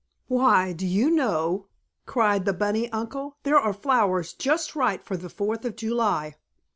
Why, do you know!" cried the bunny uncle, "there are flowers just right for Fourth of July.